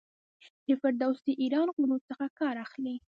د فردوسي ایرانی غرور څخه کار اخلي.